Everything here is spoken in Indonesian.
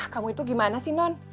kamu itu gimana sih non